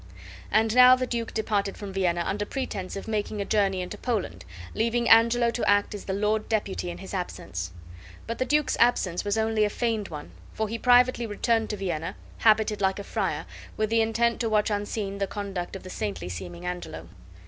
And now the duke departed from Vienna under pretense of making a journey into Poland, leaving Angelo to act as the lord deputy in his absence; but the duke's absence was only a feigned one, for he privately returned to Vienna, habited like a friar, with the intent to watch unseen the conduct of the saintly seeming Angelo.